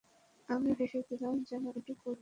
আমিও হেসে দিলাম, যেন একটা কৌতুক বলেছি!